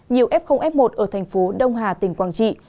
nhiều f f một ở thành phố đông hà tỉnh quảng trị